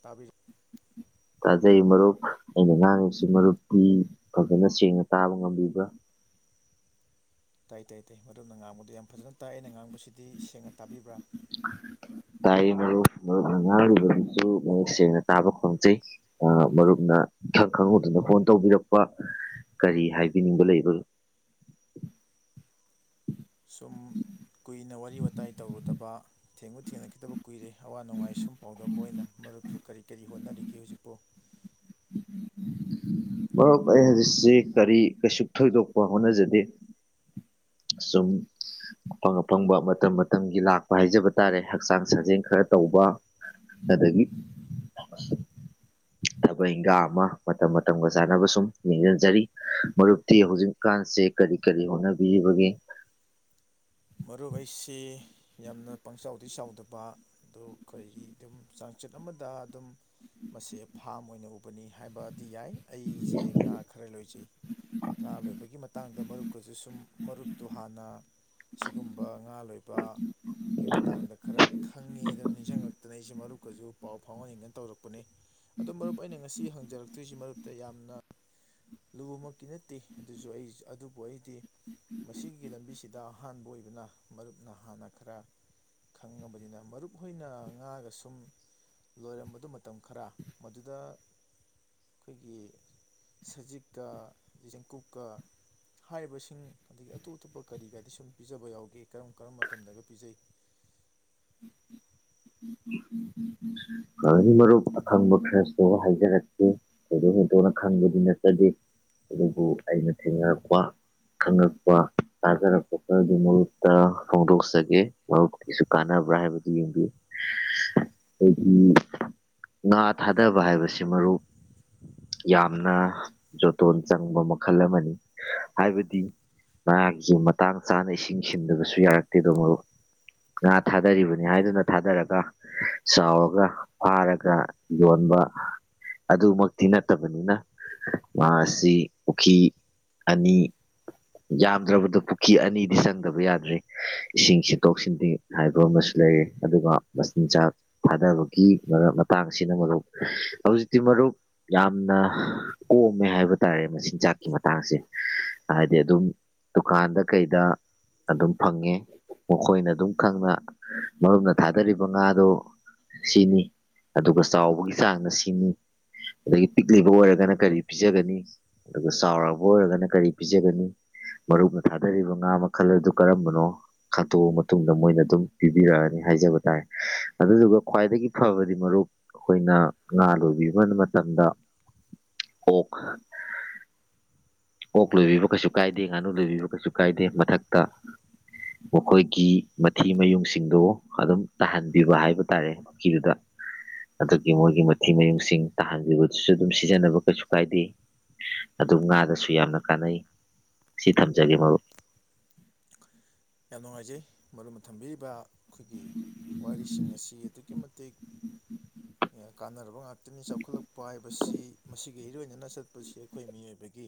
ꯇꯥꯕꯤꯔꯤ ꯇꯖꯩ ꯃꯔꯔ ꯑꯩꯅ ꯉꯥꯡꯉꯤꯁꯤ ꯃꯔꯨꯞꯄꯤꯤ ꯐꯖꯅ ꯁꯦꯡꯅ ꯇꯥꯕ ꯉꯝꯕꯤꯕ꯭ꯔꯥ ꯇꯥꯏ ꯇꯥꯏ ꯇꯥꯏ ꯃꯔꯨꯞꯅ ꯉꯥꯡꯕꯗꯨ ꯌꯥꯝ ꯐꯖꯅ ꯇꯥꯏ ꯑꯩꯅ ꯉꯥꯡꯕꯁꯤꯗꯤ ꯁꯦꯡꯅ ꯇꯥꯕꯤꯕ꯭ꯔꯥ꯫ ꯇꯥꯔꯤ ꯃꯔꯨꯞ ꯃꯔꯨꯞꯅ ꯉꯥꯡꯔꯤꯕꯗꯨꯁꯨ ꯃꯌꯦꯛ ꯁꯦꯡꯅ ꯇꯥꯕ ꯐꯪꯖꯩ ꯑ ꯃꯔꯨꯞꯅ ꯏꯈꯪ ꯈꯪꯍꯨꯗꯅ ꯐꯣꯟ ꯇꯧꯕꯤꯔꯛꯄ ꯀꯔꯤ ꯍꯥꯏꯕꯤꯅꯤꯡꯕ ꯂꯩꯕ꯫ ꯁꯨꯝ ꯀꯨꯏꯅ ꯋꯥꯔꯤ ꯋꯥꯇꯥꯏ ꯇꯧꯔꯨꯗꯕ ꯊꯦꯡꯕ ꯊꯦꯡꯅꯈꯤꯗꯕ ꯀꯨꯏꯔꯦ ꯑꯋꯥ ꯅꯨꯡꯉꯥꯏ ꯁꯨꯝ ꯄꯥꯎꯗꯝ ꯑꯣꯏꯅ ꯃꯔꯨꯞꯁꯨ ꯀꯔꯤ-ꯀꯔꯤ ꯍꯣꯠꯅꯔꯤꯒꯦ ꯍꯧꯖꯤꯛꯄꫭ꯫ ꯃꯔꯨꯞ ꯑꯩ ꯍꯧꯖꯤꯛꯁꯤ ꯀꯔꯤ ꯀꯩꯁꯨ ꯊꯣꯏꯗꯣꯛꯄ ꯍꯣꯠꯅꯖꯗꯦ ꯁꯨꯝ ꯑꯐꯪ ꯑꯐꯪꯕ ꯃꯇꯝ ꯃꯇꯝꯒꯤ ꯂꯥꯛꯄ ꯍꯥꯏꯖꯕ ꯇꯥꯔꯦ ꯍꯛꯆꯥꯡ ꯁꯥꯖꯦꯜ ꯈꯔ ꯇꯧꯕ ꯑꯗꯒꯤ ꯊꯕꯛ ꯏꯪꯈꯥꯡ ꯑꯃ ꯃꯇꯝ ꯃꯇꯝꯒ ꯆꯥꯟꯅꯕ ꯁꯨꯝ ꯌꯦꯡꯁꯤꯟꯖꯔꯤ ꯃꯔꯨꯞꯇꯤ ꯍꯧꯖꯤꯛꯀꯥꯟꯁꯦ ꯀꯔꯤ ꯀꯔꯤ ꯍꯣꯠꯅꯕꯤꯔꯤꯕꯒꯦ꯫ ꯃꯔꯨꯞ ꯑꯩꯁꯤ ꯌꯥꯝꯅ ꯄꯪꯆꯥꯎ ꯗꯤ ꯆꯥꯎꯗꯕꯥ ꯑꯗꯨ ꯀꯔꯤꯒꯤ ꯑꯗꯨꯝ ꯆꯥꯡꯆꯤꯠ ꯑꯃꯗꯥ ꯑꯗꯨꯝ ꯃꯁꯦ ꯐꯥꯝ ꯑꯣꯏꯅ ꯎꯕꯅꯤ ꯍꯥꯏꯕ ꯗꯤ ꯌꯥꯏ ꯑꯩꯁꯦ ꯉꯥ ꯈꯔ ꯂꯣꯏꯖꯩ ꯉꯥ ꯂꯣꯏꯕꯒꯤ ꯃꯇꯥꯡꯗ ꯃꯔꯨꯞꯀꯁꯨ ꯁꯨꯝ ꯃꯔꯨꯞꯇꯨ ꯍꯥꯟꯅ ꯁꯤꯒꯨꯝꯕ ꯉꯥ ꯂꯣꯏꯕꯥ ꯒꯤ ꯃꯇꯥꯡꯗ ꯈꯔ ꯈꯪꯉꯦꯗꯅ ꯅꯤꯡꯁꯤꯡꯉꯛꯇꯅ ꯑꯩꯁꯦ ꯁꯤ ꯃꯔꯨꯞꯀꯁꯨ ꯄꯥꯎ ꯐꯥꯎꯅꯅꯤꯡꯗꯅ ꯇꯧꯔꯛꯄꯅꯤ ꯑꯗꯣ ꯃꯔꯨꯞ ꯑꯩꯅ ꯉꯁꯤ ꯍꯪꯖꯔꯛꯇꯣꯏꯁꯤ ꯃꯔꯨꯞꯇ ꯌꯥꯝꯅ ꯂꯨꯕꯃꯛꯇꯤ ꯅꯠꯇꯦ ꯑꯗꯨꯁꯨ ꯑꯩꯁ ꯑꯗꯨꯕꯨ ꯑꯩꯗꯤ ꯃꯁꯤꯒꯤ ꯂꯝꯕꯤꯁꯤꯗ ꯑꯍꯥꯟꯕ ꯑꯣꯏꯕꯅ ꯃꯔꯨꯞꯅ ꯍꯥꯟꯅ ꯈꯔ ꯈꯪꯑꯕꯅꯤꯅ ꯃꯔꯨꯞ ꯍꯣꯏꯅ ꯉꯥꯒ ꯁꯨꯝ ꯂꯣꯏꯔꯝꯕꯗꯨ ꯃꯇꯝ ꯈꯔ ꯃꯗꯨꯗ ꯑꯩꯈꯣꯏꯒꯤ ꯁꯖꯤꯛꯀ ꯆꯦꯡꯀꯨꯞꯀ ꯍꯥꯏꯔꯤꯕꯁꯤꯡ ꯑꯗꯨꯒꯤ ꯑꯇꯣꯞ ꯑꯇꯣꯞꯄ ꯀꯔꯤꯒꯗꯤ ꯁꯨꯝ ꯄꯤꯖꯕ ꯌꯥꯎꯒꯦ ꯀꯔꯝ ꯀꯔꯝꯕ ꯃꯇꯝꯗꯒ ꯄꯤꯖꯩ꯫ ꯌꯥꯅꯤ ꯃꯔꯨꯞ ꯑꯈꯪꯕ ꯈꯔꯁꯨ ꯍꯥꯏꯖꯔꯛꯀꯦ ꯊꯣꯏꯗꯣꯛ ꯍꯦꯟꯗꯣꯛꯅ ꯈꯪꯕꯗꯤ ꯅꯠꯆꯗꯦ ꯑꯗꯨꯕꯨ ꯑꯩꯅ ꯊꯦꯡꯅꯔꯛꯄ ꯈꯪꯉꯛꯄ ꯇꯥꯖꯔꯛꯄ ꯈꯔꯗꯤ ꯃꯔꯨꯞꯇ ꯐꯣꯡꯗꯣꯛꯆꯒꯦ ꯃꯔꯨꯞꯀꯤꯁꯨ ꯀꯥꯟꯅꯕ꯭ꯔꯥ ꯍꯥꯏꯕꯗꯨ ꯌꯦꯡꯕꯤꯌꯨ꯫ ꯉꯥ ꯊꯥꯗꯕ ꯍꯥꯏꯕꯁꯤ ꯃꯔꯨꯞ ꯌꯥꯝꯅ ꯖꯣꯇꯣꯟ ꯆꯪꯕ ꯃꯈꯜ ꯑꯃꯅꯤ ꯍꯥꯏꯕꯗꯤ ꯉꯥꯒꯤꯁꯤ ꯃꯇꯥꯡ ꯆꯥꯅ ꯏꯁꯤꯡ ꯁꯤꯟꯗꯕꯁꯨ ꯌꯥꯔꯛꯇꯦꯗꯣ ꯃꯔꯨꯞ ꯉꯥ ꯊꯥꯗꯔꯤꯕꯅꯤ ꯍꯥꯏꯗꯨꯅ ꯊꯥꯗꯔꯒ ꯆꯥꯎꯔ ꯔꯒ ꯐꯥꯔꯒ ꯌꯣꯟꯕ ꯑꯗꯨꯃꯛꯇꯤ ꯅꯠꯇꯕꯅꯤꯅ ꯃꯥ ꯑꯁꯤ ꯄꯨꯈ꯭ꯔꯤ ꯑꯅꯤ ꯌꯥꯝꯗ꯭ꯔꯕꯗ ꯄꯨꯈ꯭ꯔꯤ ꯑꯅꯤꯗꯤ ꯆꯪꯗꯕ ꯌꯥꯗ꯭ꯔꯦ ꯏꯁꯤꯡ ꯁꯤꯠꯇꯣꯛ ꯁꯤꯟꯇ ꯍꯥꯏꯕ ꯑꯃꯁꯨ ꯂꯩꯔꯦ ꯑꯗꯨꯒ ꯃꯆꯤꯟꯖꯥꯛ ꯊꯥꯗꯕ ꯒꯤ ꯃꯔꯛ ꯃꯇꯥꯡꯁꯤꯅ ꯃꯔꯨꯞ ꯍꯧꯖꯤꯛꯇꯤ ꯃꯔꯨꯞ ꯌꯥꯝꯅ ꯀꯣꯝꯃꯦ ꯍꯥꯏꯕ ꯇꯥꯔꯦ ꯃꯆꯤꯟꯖꯥꯛꯀꯤ ꯃꯇꯥꯡꯁꯦ ꯍꯥꯏꯗꯤ ꯑꯗꯨꯝ ꯗꯨꯀꯥꯟꯗ ꯀꯩꯗ ꯑꯗꯨꯝ ꯐꯪꯉꯦ ꯃꯈꯣꯏꯅ ꯑꯗꯨꯝ ꯈꯪꯅ ꯃꯔꯨꯞꯅ ꯊꯥꯗꯔꯤꯕ ꯉꯥꯗꯣ ꯁꯤꯅꯤ ꯑꯗꯨꯒ ꯆꯥꯎꯕꯒꯤ ꯆꯥꯡꯅ ꯁꯤꯅꯤ ꯑꯗꯒꯤ ꯄꯤꯛꯂꯤꯕ ꯑꯣꯏꯔꯒꯅ ꯀꯔꯤ ꯄꯤꯖꯒꯅꯤ ꯑꯗꯨꯒ ꯆꯥꯎꯔꯕ ꯑꯣꯏꯔꯒꯅ ꯀꯔꯤ ꯄꯤꯖꯒꯅꯤ ꯃꯔꯨꯞꯅ ꯊꯥꯗꯔꯤꯕ ꯉꯥ ꯃꯈꯜ ꯑꯗꯨ ꯀꯔꯝꯕꯅꯣ ꯈꯟꯇꯣꯛꯑ ꯃꯇꯨꯡꯗ ꯃꯣꯏꯅ ꯑꯗꯨꯝ ꯄꯤꯕꯤꯔꯛꯑꯅꯤ ꯍꯥꯏꯖꯕ ꯇꯥꯔꯦ ꯑꯗꯨꯗꯨꯒ ꯈ꯭ꯋꯥꯏꯗꯒꯤ ꯐꯕꯗꯤ ꯃꯔꯨꯞ ꯑꯩꯈꯣꯏꯅ ꯉꯥ ꯂꯣꯏꯕꯤ ꯃꯇꯝꯗ ꯑꫭꯛ ꯑꯣꯛ ꯂꯣꯏꯕꯤꯕ ꯀꯩꯁꯨ ꯀꯥꯏꯗꯦ ꯉꯥꯅꯨ ꯂꯣꯏꯕꯤꯕ ꯀꯩꯁꯨ ꯀꯥꯏꯗꯦ ꯃꯊꯛꯇ ꯃꯈꯣꯏꯒꯤ ꯃꯊꯤ ꯃꯌꯨꯡꯁꯤꯡꯗꯣ ꯑꯗꯨꯝ ꯇꯥꯍꯟꯕꯤꯕ ꯍꯥꯏꯕ ꯇꯥꯔꯦ ꯄꯨꯈꯤ--ꯗꯨꯗ ꯑꯗꯨꯒꯤ ꯃꯣꯏꯒꯤ ꯃꯊꯤ ꯃꯌꯨꯡꯁꯤꯡ ꯇꯥꯍꯟꯕꯤꯕꯗꯨꯁꯨ ꯑꯗꯨꯝ ꯁꯤꯖꯤꯟꯅꯕ ꯀꯩꯁꯨ ꯀꯥꯏꯗꯦ ꯑꯗꯨ ꯉꯥꯗꯁꯨ ꯁꯨ ꯌꯥꯝꯅ ꯀꯥꯟꯅꯩ ꯁꯤ ꯊꯝꯖꯒꯦ ꯃꯔꯨꯞ꯫ ꯌꯥꯝ ꯅꯨꯡꯉꯥꯏꯖꯩ ꯃꯔꯅ ꯊꯝꯕꯤꯔꯤꯕ ꯑꯩꯈꯣꯏꯒꯤ ꯋꯥꯔꯤꯁꯤꯡ ꯑꯁꯤ ꯑꯗꯨꯛꯀꯤ ꯃꯠ ꯇꯤꯛ ꯀꯥꯟꯅꯔꯕ ꯉꯥꯛ ꯇꯅꯤ ꯆꯥꯎꯈꯠꯂꯛꯄꯥ ꯃꯁꯤ ꯃꯁꯤꯒ ꯏꯔꯣꯏꯅꯅ ꯆꯠꯄꯁꯤ ꯑꯩꯈꯣꯏ ꯃꯤꯑꯣꯏꯕꯒꯤ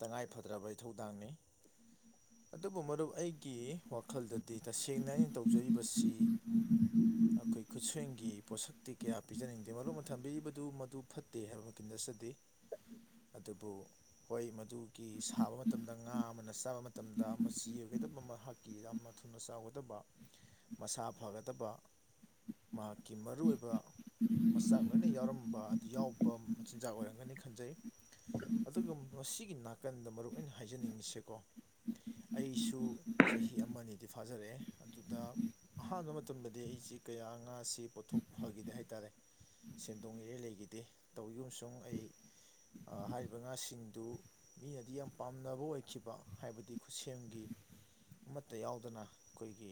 ꯇꯉꯥꯏ ꯐꯗ꯭ꯔꯕ ꯏꯊꯧꯗꯥꯡꯅꯤ ꯑꯗꯨꯕꯨ ꯃꯔꯨꯞ ꯑꯩ ꯒꯤ ꯋꯥꯈꯜꯗ ꯗꯤ ꯇꯁꯦꯡꯅ ꯑꯩꯅ ꯇꯧꯖꯔꯤꯕꯁꯤ ꯑꯈꯣꯏ ꯈꯨꯠꯁꯦꯝꯒꯤ ꯄꯣꯠꯁꯛꯇꯤ ꯀꯌꯥ ꯄꯤꯖꯅꯤꯡꯗꯦ ꯃꯔꯨꯞꯅ ꯊꯝꯕꯤꯔꯤꯕꯗꯨ ꯃꯗꯨ ꯐꯠꯇꯦ ꯍꯥꯏꯕꯤꯃꯛꯇꯤ ꯆꯠꯆꯗꯦ ꯑꯗꯨꯕꯨ ꯍꯣꯏ ꯃꯗꯨꯒꯤ ꯁꯥꯕ ꯃꯇꯝꯗ ꯉꯥ ꯑꯃꯅ ꯆꯥꯕ ꯃꯇꯝꯗ ꯃꯆꯤ ꯑꯣꯏꯒ ꯀꯤ ꯌꯥꯝꯅ ꯊꯨꯅ ꯆꯥꯎꯒꯗꯕ ꯃꯁꯥ ꯐꯒꯗꯕ ꯃꯍꯥꯛꯀꯤ ꯃꯔꯨꯏꯕ ꯃꯆꯥꯛ ꯂꯣꯏꯅ ꯌꯥꯎꯔꯝꯕ ꯑꯗꯨ ꯌꯥꯎꯕ ꯆꯤꯟꯖꯥꯛ ꯑꯣꯏꯔꯝꯒꯅꯤ ꯈꯟꯖꯩ ꯑꯗꯨꯒ ꯃꯁꯤꯒꯤ ꯅꯥꯀꯟꯗ ꯃꯔꯨꯞ ꯑꯩꯅ ꯍꯥꯏꯖꯅꯤꯡꯉꯤꯁꯤꯀꯣ ꯑꯩꯁꯨ ꯆꯍꯤ ꯑꯃꯅꯤꯗꯤ ꯐꯥꯖꯔꯛꯑꯦ ꯑꯗꯨꯗ ꯑꯍꯥꯟꯕ ꯃꯇꯝꯗꯗꯤ ꯑꯩꯁꯤ ꯀꯌꯥ ꯉꯥꯁꯤ ꯄꯣꯠꯊꯣꯛ ꯐꯈꯤꯗꯦ ꯍꯥꯏꯇꯥꯔꯦ ꯁꯦꯟꯗꯣꯡ ꯑꯦꯔꯤꯌꯥ ꯂꯩꯈꯤꯗꯦ ꯇꯧꯔꯤꯒꯨꯝꯁꯨꯡ ꯑꯩ ꯑ ꯍꯥꯏꯔꯤꯕ ꯉꯥꯁꯤꯡꯗꯨ ꯃꯤꯅꯗꯤ ꯌꯥꯝ ꯄꯥꯝꯅꯕ ꯑꯣꯏꯈꯤꯕ ꯍꯥꯏꯕꯗꯤ ꯈꯨꯠꯁꯦꯝꯒꯤ ꯑꯃꯠꯇ ꯌꯥꯎꯗꯅ ꯑꯩꯈꯣꯏꯒꯤ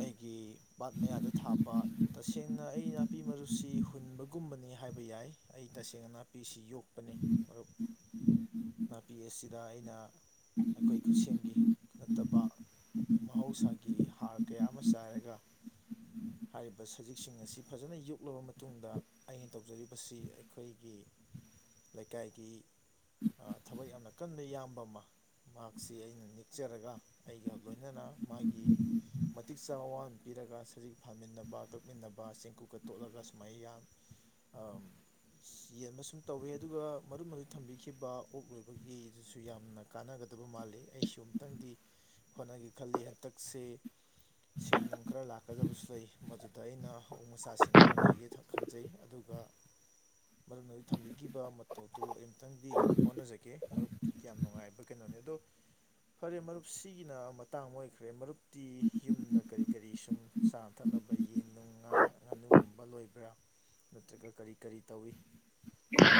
ꯑꯩꯒꯤ ꯄꯥꯠ ꯃꯌꯥꯗ ꯊꯥꯕ ꯇꯁꯦꯡꯅ ꯑꯩ ꯅꯥꯄꯤ ꯃꯔꯨꯞꯁꯤ ꯍꯨꯟꯕꯒꯨꯝꯕꯅꯤ ꯍꯥꯏꯕ ꯌꯥꯏ ꯑꯩ ꯇꯁꯦꯡꯅ ꯅꯥꯄꯤꯁꯤ ꯌꯣꯛꯄꯅꯤ ꯃꯔꯨꯞ ꯅꯥꯄꯤ ꯑꯁꯤꯗ ꯑꯩꯅ ꯑꯩꯈꯣꯏ ꯈꯨꯠꯁꯦꯝꯒꯤ ꯅꯠꯇꯕ ꯃꯍꯧꯁꯥꯒꯤ ꯍꯥꯔ ꯀꯌꯥ ꯑꯃ ꯆꯥꯏꯔꯒ ꯍꯥꯏꯔꯤꯕ ꯁꯖꯤꯛꯁꯤꯡ ꯑꯁꯤ ꯐꯖꯅ ꯌꯣꯛꯂꯕ ꯃꯇꯨꯡꯗ ꯑꯩꯅ ꯇꯧꯖꯔꯤꯕꯁꯤ ꯑꯩꯈꯣꯏꯒꯤ ꯂꯩꯀꯥꯏꯒꯤ ꯊꯕꯛ ꯌꯥꯝꯅ ꯀꯟꯅ ꯏꯌꯥꯝꯕ ꯑꯃ ꯃꯍꯥꯛꯁꯤ ꯑꯩꯅ ꯅꯦꯛ ꯆꯔꯒ ꯑꯩꯒ ꯂꯣꯏꯅꯅ ꯃꯥꯒꯤ ꯃꯇꯤꯛ ꯆꯥ ꯑꯋꯥ ꯃꯟ ꯄꯤꯔꯒ ꯁꯖꯤꯛ ꯐꯥꯃꯤꯟꯅꯕ ꯀꯛꯃꯤꯟꯅꯕ ꯆꯦꯡꯀꯨꯞꯀ ꯇꯣꯠꯂꯒ ꯁꯨꯃꯥꯏꯅ ꯌꯥꯝ ꯑ ꯌꯦꯟꯕ ꯁꯨꯝ ꯇꯧꯋꯤ ꯑꯗꯨꯒ ꯃꯔꯨꯞ ꯃꯨ ꯊꯝꯕꯤꯈꯤꯕ ꯑꯣꯛ ꯂꯣꯏꯕꯒꯤꯗꯨꯁꯨ ꯌꯥꯝꯅ ꯀꯥꯟꯅꯒꯗꯕ ꯃꯥꯜꯂꯤ ꯑꯩ ꯁꯨꯝ ꯇꯪꯗꯤ ꯍꯣꯠꯅꯒꯦ ꯈꯜꯂꯤ ꯍꯟꯇꯛꯁꯦ ꯁꯦꯟ ꯅꯨꯡ ꯈꯔ ꯂꯥꯛꯀꯗꯕꯁꯨ ꯂꯩ ꯃꯗꯨꯗ ꯑꯩꯅ ꯑꫭꯛ ꯃꯆꯥꯁꯤꯡ ꯈꯔ ꯂꯩꯒꯦ ꯈꯟꯖꯩ ꯑꯗꯨꯒ ꯃꯔꯝ ꯊꯝꯕꯤꯈꯤꯕ ꯃꯇꯧꯗꯨꯣ ꯑꯩꯝꯇꯪꯗꯤ ꯍꯣꯠꯅꯖꯒꯦ ꯃꯔꯨꯞ ꯌꯥꯝꯌꯥꯝ ꯅꯨꯡꯉꯥꯏꯕ ꯀꯩꯅꯣꯅꯤ ꯑꯗꯣ ꯐꯔꯦ ꯃꯔꯨꯞ ꯁꯤꯒꯤꯅ ꯃꯇꯥꯡ ꯑꯣꯏꯈ꯭ꯔꯦ ꯃꯔꯨꯞꯇꯤ ꯌꯨꯝꯗ ꯀꯔꯤ ꯀꯔꯤ ꯁꯨꯝ ꯆꯥꯅ ꯊꯛꯅꯕ ꯌꯦꯟ ꯅꯨꯡ ꯉꯥ ꯉꯥꯅꯨꯒꯨꯝꯕ ꯂꯣꯏꯕ꯭ꯔꯥ ꯅꯠꯇ꯭ꯔꯒ ꯀꯔꯤ ꯀꯔꯤ ꯇꯧꯏ꯫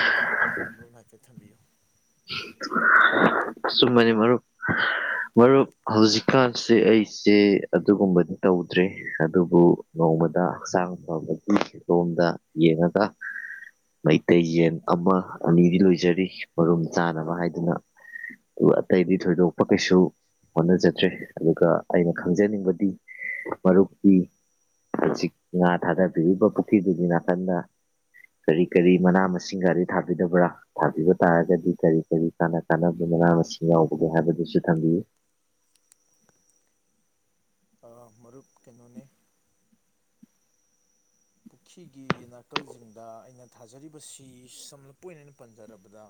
ꯑꯗꯨꯒꯤ ꯃꯇꯥꯡꯗ ꯑꯃꯣ ꯍꯥꯏꯐꯦꯠ ꯊꯝꯕꯤꯌꯨ ꯆꯨꯝꯕꯅꯤ ꯃꯔꯨꯞ ꯃꯔꯨꯞ ꯍꯧꯖꯤꯛꯀꯥꯟꯁꯦ ꯑꯩꯁꯦ ꯑꯗꯨꯒꯨꯝꯕꯗꯤ ꯇꯧꯗ꯭ꯔꯦ ꯑꯗꯨꯕꯨ ꯅꯣꯡꯃꯗ ꯍꯛꯆꯥꯡ ꯐꯕꯒꯤ ꯂꯣꯝꯗ ꯌꯦꯡꯉꯒ ꯃꯩꯇꯩ ꯌꯦꯟ ꯑꯃ ꯑꯅꯤꯗꯤ ꯂꯣꯏꯖꯔꯤ ꯃꯔꯨꯝ ꯆꯥꯅꯕ ꯍꯥꯏꯗꯨꯅ ꯑꯇꯩꯗꯤ ꯊꯣꯏꯗꯣꯛꯄ ꯀꯩꯁꯨ ꯍꯣꯠꯅꯖꯗ꯭ꯔꯦ ꯑꯗꯨꯒ ꯑꯩꯅ ꯈꯪꯖꯅꯤꯡꯕꯗꯤ ꯃꯔꯨꯞꯀꯤ ꯍꯧꯖꯤꯛ ꯉꯥ ꯊꯥꯗꯕꯤꯔꯤꯕ ꯄꯨꯈ꯭ꯔꯤꯗꯨꯒꯤ ꯅꯥꯀꯟꯗ ꯀꯔꯤ ꯀꯔꯤ ꯃꯅꯥ ꯃꯁꯤꯡꯒꯔꯤ ꯊꯥꯕꯤꯗꯕ꯭ꯔꯥ ꯊꯥꯕꯤꯕ ꯇꯥꯔꯒꯗꯤ ꯀꯔꯤ ꯀꯔꯤ ꯀꯥꯅ ꯀꯥꯟꯅꯕ ꯃꯅꯥ ꯃꯁꯤꯡ ꯌꯥꯎꯕꯒꯦ ꯍꯥꯏꯕꯗꯨꯁꯨ ꯊꯝꯕꯤꯌꯨ ꯃꯔꯨꯞ ꯀꯩꯅꯣꯅꯤ ꯄꯨꯈ꯭ꯔꯤꯒꯤ ꯅꯥꯀꯜꯁꯤꯡꯗ ꯑꯩꯅ ꯊꯥꯖꯔꯤꯕꯁꯤ ꯁꯝꯂꯞꯄ ꯑꯣꯏꯅ ꯑꯩꯅ ꯄꯟꯖꯔꯕꯗ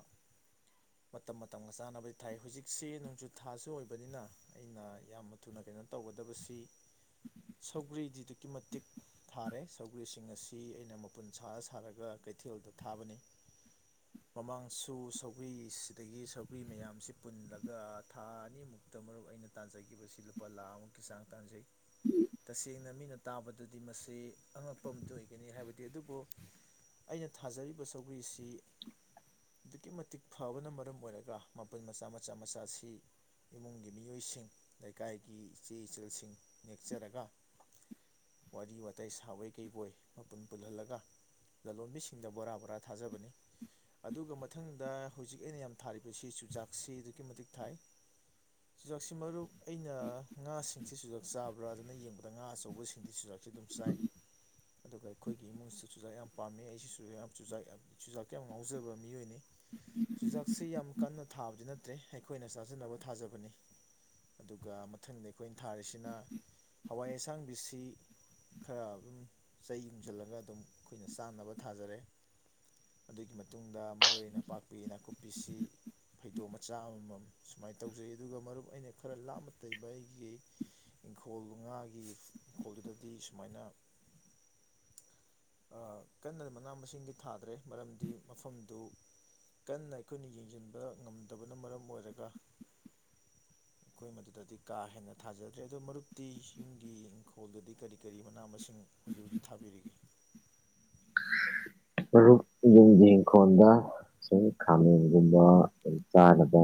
ꯃꯇꯝ ꯃꯇꯝꯒ ꯆꯥꯅꯕꯗꯤ ꯊꯥꯏ ꯍꯧꯖꯤꯛꯁꯤ ꯅꯣꯡꯖꯨꯠ ꯊꯥꯁꯨ ꯑꯣꯏꯕꯅꯤꯅ ꯑꯩꯅ ꯌꯥꯝ ꯊꯨꯅ ꯀꯩꯅꯣ ꯇꯧꯒꯗꯕꯁꯤ ꯁꯧꯒ꯭ꯔꯤꯗꯤ ꯑꯗꯨꯛꯀꯤ ꯃꯇꯤꯛ ꯊꯥꯔꯦ ꯁꯧꯒ꯭ꯔꯤꯁꯤꯡ ꯑꯁꯤ ꯑꯩꯅ ꯃꯄꯨꯟ ꯁꯥꯔ ꯁꯥꯔꯒ ꯀꯩꯊꯦꯜꯗ ꯊꯥꯕꯅꯤ ꯃꯃꯥꯡꯁꯨ ꯁꯧꯒ꯭ꯔꯤꯁꯤꯗꯒꯤ ꯁꯧꯒ꯭ꯔꯤ ꯃꯌꯥꯝꯁꯤ ꯄꯨꯜꯂꯒ ꯊꯥ ꯑꯅꯤꯃꯨꯛꯇ ꯃꯔꯨꯞ ꯑꯩꯅ ꯇꯥꯟꯖꯈꯤꯕꯁꯤ ꯂꯨꯄꯥ ꯂꯥꯈꯃꯨꯛꯀꯤ ꯆꯥꯡ ꯇꯥꯟꯖꯩ ꯇꯁꯦꯡꯅ ꯃꯤꯅ ꯇꯥꯕꯗꯗꯤ ꯃ ꯑꯉꯛꯄ ꯑꯝꯇ ꯑꯣꯏꯒꯅꯤ ꯍꯥꯏꯕꯗꯤ ꯑꯗꯨꯕꯨ ꯑꯩꯅ ꯊꯥꯖꯔꯤꯕ ꯁꯧꯒ꯭ꯔꯤꯁꯤ ꯑꯗꯨꯛꯀꯤ ꯃꯇꯤꯛ ꯐꯕꯅ ꯃꯔꯝ ꯑꯣꯏꯔꯒ ꯃꯄꯜ ꯃꯆꯥ ꯃꯆꯥ ꯃꯆꯥꯁꯤ ꯏꯃꯨꯡꯒꯤ ꯃꯤꯑꯣꯏꯁꯤꯡ ꯂꯩꯀꯥꯏꯒꯤ ꯏꯆꯦ ꯏꯆꯜꯁꯤꯡ ꯅꯦꯛꯆꯔꯒ ꯋꯥꯔꯤ ꯋꯥꯇꯥꯏ ꯁ ꯊꯥꯋꯩ ꯀꯩꯕꯣꯏ ꯃꯄꯨꯟ ꯄꯨꯜꯍꯜꯂꯒ ꯂꯂꯣꯟꯕꯤꯁꯤꯡꯗ ꯕꯣꯔꯥ ꯕꯣꯔꯥ ꯊꯥꯖꯕꯅꯤ ꯑꯗꯨꯒ ꯃꯊꯪꯗ ꯍꯧꯖꯤꯛ ꯑꯩꯅ ꯌꯥꯝ ꯊꯥꯔꯤꯕꯁꯤ ꯆꯨꯖꯥꯛꯁꯤ ꯑꯗꯨꯛꯀꯤ ꯃꯇꯤꯛ ꯊꯥꯏ ꯆꯨꯖꯥꯛꯁꯤ ꯃꯔꯨꯞ ꯑꯩꯅ ꯉꯥꯁꯤꯡꯁꯤ ꯆꯨꯖꯥꯛ ꯆꯥꯕ꯭ꯔꯥ ꯑꯗꯨꯅ ꯌꯦꯡꯕꯗ ꯉꯥ ꯑꯆꯧꯕꯁꯤꯡꯗꯤ ꯆꯨꯖꯥꯛꯁꯤ ꯑꯗꯨꯝ ꯆꯥꯏ ꯑꯗꯨꯒ ꯑꯩꯈꯣꯏꯒꯤ ꯏꯃꯨꯡꯁꯨ ꯆꯨꯖꯥꯛ ꯌꯥꯝ ꯄꯥꯝꯃꯤ ꯑꯩꯁꯤꯁꯨ ꯌꯥꯝ ꯆꯨꯖꯥꯛ ꯆꯨꯖꯥꯛꯇ ꯌꯥꯝ ꯉꯥꯎꯖꯕ ꯃꯤꯑꯣꯏꯅꯤ ꯆꯨꯖꯥꯛꯁꯤ ꯌꯥꯝ ꯀꯟꯅ ꯊꯥꯕꯗꯤ ꯅꯠꯇ꯭ꯔꯦ ꯑꯩꯈꯣꯏꯅ ꯆꯥꯖꯕ ꯊꯥꯖꯕꯅꯤ ꯑꯗꯨꯒ ꯃꯊꯪꯗ ꯑꯩꯈꯣꯏꯅ ꯊꯥꯔꯤꯁꯤꯅ ꯍꯋꯥꯏ ꯑꯁꯥꯡꯕꯤꯁꯤ ꯈꯔ ꯑꯗꯨꯝ ꯆꯩ ꯌꯨꯡꯁꯤꯜꯂꯒ ꯑꯗꯨꯝ ꯑꯩꯈꯣꯏꯅ ꯆꯥꯅꯕ ꯊꯥꯖꯔꯦ ꯑꯗꯨꯒꯤ ꯃꯇꯨꯡꯗ ꯃꯔꯨ ꯅꯄꯥꯛꯄꯤ ꯅꯥꯀꯨꯞꯄꯤꯁꯤ ꯐꯩꯗꯣꯝ ꯃꯆꯥ ꯑꯃꯃꯝ ꯁꯨꯃꯥꯏꯅ ꯇꯧꯖꯩ ꯑꯗꯨꯒ ꯃꯔꯨꯞ ꯑꯩꯅ ꯈꯔ ꯂꯥꯞꯅ ꯇꯩꯕ ꯑꯩꯒꯤ ꯏꯪꯈꯣꯜ ꯉꯥꯒꯤ ꯏꯪꯈꯣꯜꯗꯨꯗꯗꯤ ꯁꯨꯃꯥꯏꯅ ꯀꯟꯅ ꯃꯅꯥ ꯃꯁꯤꯡꯒꯤ ꯊꯥꯗ꯭ꯔꯦ ꯃꯔꯝꯗꯤ ꯃꯐꯝꯗꯨ ꯀꯟꯅ ꯑꯩꯈꯣꯏꯅ ꯌꯦꯡꯁꯤꯟꯕ ꯉꯝꯗꯕꯅ ꯃꯔꯝ ꯑꯣꯏꯔꯒ ꯑꯩꯈꯣꯏ ꯃꯗꯨꯗꯗꯤ ꯀꯥ ꯍꯦꯟꯅ ꯊꯥꯖꯗ꯭ꯔꯦ ꯑꯗ ꯃꯔꯨꯞꯇꯤ ꯌꯨꯝꯒꯤ ꯏꯪꯈꯣꯜꯗꯗꯤ ꯀꯔꯤꯝ ꯀꯔꯤ ꯃꯅꯥꯝ ꯃꯁꯤꯡ ꯁꯤꯡ ꯍꯧꯖꯤꯛ ꯍꯧꯖꯤꯛ ꯊꯥꯕꯤꯔꯤꯒꯦ ꯃꯔꯨꯞ ꯌꯨꯝꯒꯤ ꯏꯪꯈꯣꯜꯗ ꯁꯨꯝ ꯈꯥꯃꯦꯟꯒꯨꯝꯕꯨꯝ ꯆꯥꯅꯕ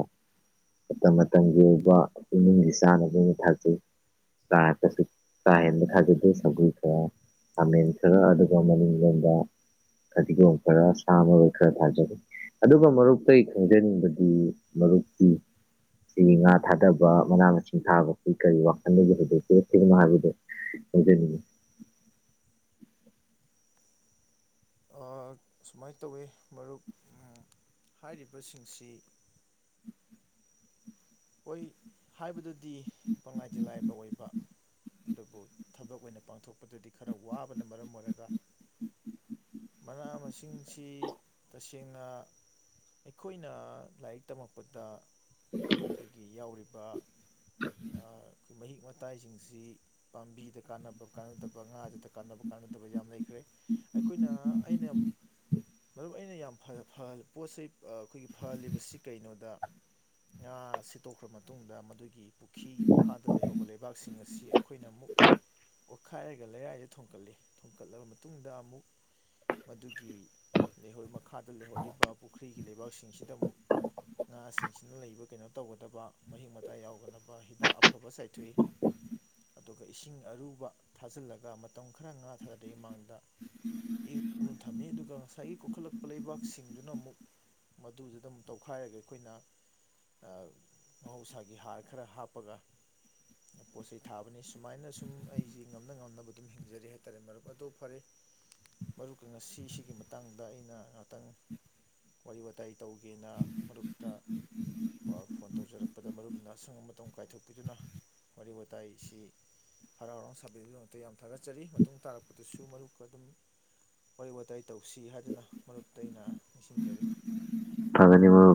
ꯃꯇꯝ ꯃꯇꯝꯒꯤ ꯑꯣꯏꯕ ꯏꯃꯨꯡꯒꯤ ꯆꯥꯅꯕ ꯑꯣꯏꯅ ꯊꯥꯖꯩ ꯆꯥꯔꯄꯁꯨ ꯀꯥ ꯍꯦꯟꯕ ꯊꯥꯖꯗꯦ ꯁꯒꯣꯏ ꯈꯔ ꯈꯥꯃꯦꯟ ꯈꯔ ꯑꯗꯨꯒ ꯃꯅꯤꯡꯂꯣꯝꯗ ꯐꯗꯤꯒꯣꯝ ꯈꯔ ꯁꯥ ꯃꯔꯣꯏ ꯈꯔ ꯊꯥꯖꯒ ꯑꯗꯨꯒ ꯃꯔꯨꯞꯇ ꯑꯩ ꯈꯪꯖꯅꯤꯡꯕꯗꯤ ꯃꯔꯨꯞꯀꯤ ꯁꯤ ꯉꯥ ꯊꯥꯗꯕ ꯃꯅꯥ ꯃꯁꯤꯡ ꯊꯥꯕꯕꯁꯤ ꯀꯔꯤ ꯋꯥꯈꯜꯗꯒꯤ ꯍꯗꯣꯛꯄꯤꯔꯛꯀꯅꯣ ꯍꯥꯏꯕꯗꯣ ꯈꯪꯖꯅꯤꯡꯉꯤ ꯁꯨꯃꯥꯏꯅ ꯇꯧꯋꯤ ꯃꯔꯨꯞ ꯍꯥꯏꯔꯤꯕꯁꯤꯡꯁꯤ ꯑꯣꯏ ꯍꯥꯏꯕꯗꯨꯗꯤ ꯗꯤ ꯄꯪꯂꯪꯂꯥꯏ ꯂꯥꯏꯕ ꯑꯣꯏꯕ ꯑꯗꯨꯕꯨ ꯊꯕꯛ ꯑꯣꯏꯅ ꯄꯥꯡꯊꯣꯛꯄꯗꯗꯤ ꯈꯔ ꯋꯥꯕꯅ ꯃꯔꯝ ꯑꯣꯏꯔꯒ ꯃꯅꯥ ꯃꯁꯤꯡꯁꯤ ꯇꯁꯦꯡꯅ ꯑꯩꯈꯣꯏꯅ ꯂꯥꯏꯔꯤꯛ ꯇꯝꯃꯛꯄꯗ ꯎ ꯑꯩꯈꯣꯏꯒꯤ ꯌꯥꯎꯔꯤꯕ ꯑꯩꯈꯣꯏ ꯃꯍꯤꯛ ꯃꯇꯥꯏꯁꯤꯡꯁꯤ ꯄꯥꯝꯕꯤꯗ ꯀꯥꯟꯅꯕ ꯀꯥꯟꯅꯗꯕ ꯉꯥꯗꯨꯗ ꯀꯥꯟꯅꯕ ꯀꯥꯟꯅꯗꯕ ꯌꯥꯝ ꯂꯩꯈ꯭ꯔꯦ ꯑꯩꯈꯣꯏꯅ ꯑꯩꯅ ꯃꯔꯨꯞ ꯑꯩꯅ ꯌꯥꯝ ꯐꯜꯂꯤ ꯄꯣꯠ ꯆꯩꯩ ꯑꯩꯈꯣꯏꯒꯤ ꯐꯍꯜꯂꯤꯕꯁꯤ ꯀꯩꯅꯣꯗ ꯉꯥ ꯁꯤꯠꯇꯣꯛꯈ꯭ꯔ ꯃꯇꯨꯡꯗ ꯃꯗꯨꯒꯤ ꯄꯨꯈ꯭ꯔꯤꯒꯤ ꯃꯈꯥꯗ ꯂꯩꯍꯧꯕ ꯂꯩꯕꯥꯛꯁꯤꯡ ꯑꯁꯤ ꯑꯩꯈꯣꯏꯅ ꯑꯃꯨꯛ ꯑꯣꯠꯈꯥꯏꯔꯒ ꯂꯩꯔꯥꯏꯗ ꯊꯣꯡꯀꯠꯂꯤ ꯊꯣꯡꯀꯠꯂꯕ ꯃꯇꯨꯡꯗ ꯑꯃꯨꯛ ꯃꯗꯨꯒꯤ ꯃꯈꯥꯗ ꯂꯩꯍꯧꯔꯤꯕ ꯄꯨꯈ꯭ꯔꯤꯒꯤ ꯂꯩꯕꯥꯛꯁꯤꯡꯁꯤꯗ ꯑꯃꯨꯛ ꯉꯥꯁꯤꯡꯁꯤꯅ ꯂꯩꯕ ꯀꯩꯅꯣ ꯇꯧꯒꯗꯕ ꯃꯍꯤꯛ ꯃꯇꯥꯏ ꯌꯥꯎꯒꯗꯕ ꯍꯤꯗꯥꯛ ꯑꯐꯕ ꯆꯥꯏꯊꯣꯛꯏ ꯑꯗꯨꯒ ꯏꯁꯤꯡ ꯑꯔꯨꯕ ꯊꯥꯖꯤꯜꯂꯒ ꯃꯇꯝ ꯈꯔ ꯉꯥ ꯊꯥꯔꯗꯩ ꯃꯥꯡꯗ ꯏꯔꯨꯨ ꯊꯝꯃꯤ ꯑꯗꯨꯒ ꯉꯁꯥꯏꯒꯤ ꯀꯣꯛꯈꯠꯂꯛꯄ ꯂꯩꯕꯥꯛꯁꯤꯡꯗꯨꯅ ꯑꯃꯨꯛ ꯃꯗꯨꯗꯨꯗ ꯑꯃ ꯇꯧꯈꯥꯏꯔꯒ ꯑꯩꯈꯣꯏꯅ ꯃꯍꯧꯁꯥꯒꯤ ꯍꯥꯔ ꯈꯔ ꯍꯥꯞꯄꯒ ꯄꯣꯠ ꯆꯩꯩ ꯊꯥꯕꯅꯤ ꯁꯨꯃꯥꯏꯅ ꯁꯨꯝ ꯑꯩꯁꯤꯦ ꯉꯝꯅ ꯉꯝꯅꯕ ꯑꯗꯨꯝ ꯍꯤꯡꯖꯔꯤ ꯍꯥꯏꯇꯥꯔꯦ ꯃꯔꯨꯞ ꯑꯗꯣ ꯐꯔꯦ ꯃꯔꯨꯞꯀ ꯉꯁꯤꯁꯤꯒꯤ ꯃꯇꯥꯡꯗ ꯑꯩꯅ ꯉꯍꯥꯛꯇꯪ ꯋꯥꯔꯤ ꯋꯥꯇꯥꯏ ꯇꯧꯒꯦꯅ ꯃꯔꯨꯞꯇ ꯄ ꯐꯣꯟ ꯇꯧꯖꯔꯛꯄꯗ ꯃꯔꯨꯞꯅ ꯑꯁꯪꯕ ꯃꯇꯝ ꯀꯥꯏꯊꯣꯛꯄꯤꯗꯨꯅ ꯋꯥꯔꯤ ꯋꯥꯇꯥꯏꯁꯤ ꯍꯔꯥꯎ ꯍꯔꯥꯎ ꯁꯥꯕꯤꯕꯒꯤꯗꯃꯛꯇ ꯌꯥꯝ ꯊꯥꯒꯠꯆꯔꯤ ꯃꯇꯨꯡ ꯇꯥꯔꯛꯄꯗꯁꯨ ꯃꯔꯨꯞꯀ ꯑꯗꯨꯝ ꯋꯥꯔꯤ ꯋꯥꯇꯥꯏ ꯇꯧꯁꯤ ꯍꯥꯏꯗꯨꯅ ꯃꯔꯨꯞꯇ ꯑꯩꯅ ꯅꯤꯡꯁꯤꯡꯖꯔꯤ ꯐꯒꯅꯤꯃ